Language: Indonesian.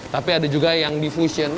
tapi ada juga yang difusion